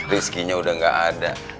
risky nya udah gak ada